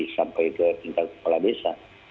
sampai ke tingkat kepala desa